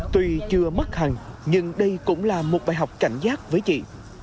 tùy chưa mất hàng nhưng đây cũng là một bài học cảnh giác với chị